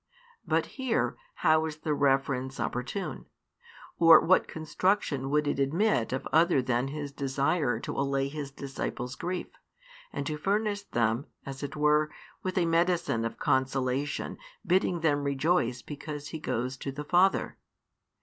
But here, how is the reference opportune? Or what construction would it admit of other than His desire to allay His disciples' grief, and to furnish them, as it were, with a medicine of consolation bidding them rejoice because He "goes to the Father?"